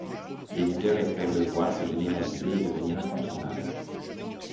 L'éditeur espère la voir se généraliser et devenir incontournable.